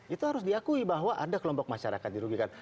itu harus diakui bahwa ada kelompok masyarakat dirugikan